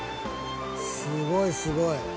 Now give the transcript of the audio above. すごいすごい。